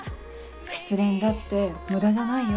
失恋だって無駄じゃないよ。